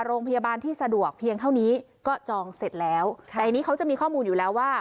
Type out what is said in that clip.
โรงพยาบาลที่สะดวกเพียงเท่านี้ก็จองเสร็จแล้วแต่อันนี้เขาจะมีข้อมูลอยู่แล้วว่า